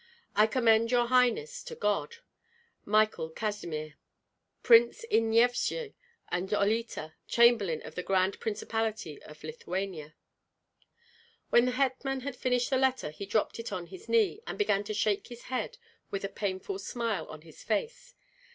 I commend your highness to God. Michael Kazimir, Prince in Nyesvyej and Olyta, Chamberlain of the Grand Principality of Lithuania. When the hetman had finished the letter he dropped it on his knee, and began to shake his head with a painful smile on his face.